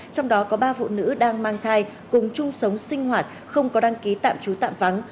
trong đó có ba phụ nữ đang mang thai cùng chung sống sinh hoạt không có đăng ký tạm trú tạm vắng